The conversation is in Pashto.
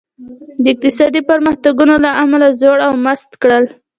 د اقتصادي پرمختګونو له امله زړور او مست کړل.